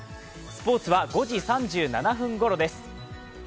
スポーツは５時３７分ごろです。